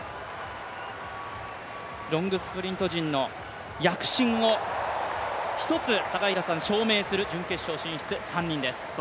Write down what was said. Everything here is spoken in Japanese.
ロングスプリント陣の躍進を一つ、証明する準決勝進出です。